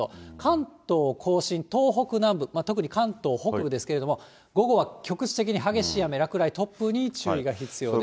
関東甲信、東北南部、特に関東北部ですけれども、午後は局地的に激しい雨、落雷、突風に注意が必要です。